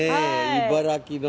茨城の。